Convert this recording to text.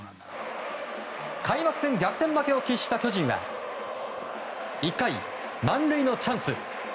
開幕戦、逆転負けを喫した巨人は１回、満塁のチャンス。